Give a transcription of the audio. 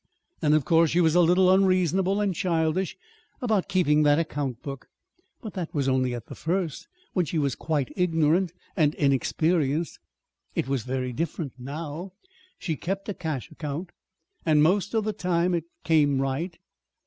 And of course she was a little unreasonable and childish about keeping that account book. But that was only at the first, when she was quite ignorant and inexperienced. It was very different now. She kept a cash account, and most of the time it came right.